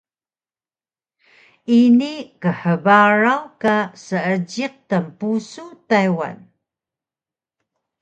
Ini khbaraw ka seejiq tnpusu Taywan